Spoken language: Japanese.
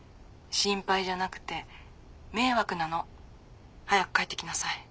心配じゃなくて迷惑なの。早く帰ってきなさい。